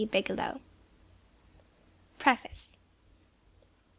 BIGELOW. PREFACE.